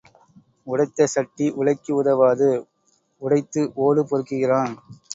உடைத்த சட்டி உலைக்கு உதவாது, உடைத்து ஓடு பொறுக்குகிறான்.